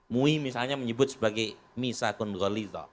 mui misalnya menyebut sebagai misakun golito